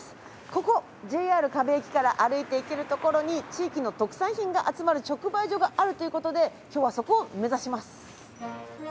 ここＪＲ河辺駅から歩いて行ける所に地域の特産品が集まる直売所があるという事で今日はそこを目指します。